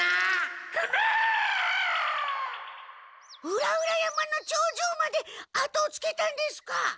裏々山の頂上まで後をつけたんですか？